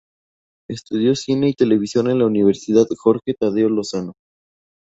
Estudió Cine y Televisión en la Universidad Jorge Tadeo Lozano.